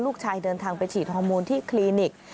ลูกชายเดินทางไปฉีดฮอร์โมนที่คลินิก